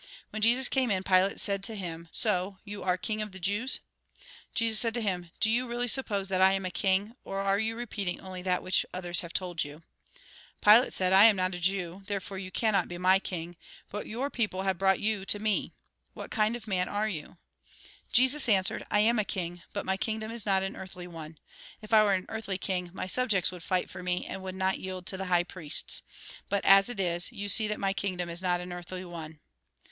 When Jesus came in, Pilate said to him :" So you are king of the Jews ?" Jesus said to him :" Do you really suppose that I am a king, or are you repeating only that which others have told you ?" Pilate said :" I am not a Jew, therefore you cannot be my king, but your people have brought you to me. What kind of a man are you ?" Jesus answered :" I am a king ; but my kingdom is not an earthly one. If I were an earthly king, my subjects would fight for me, and would not yield to the high priests. But as it is, you see that my kingdom is not an earthly one."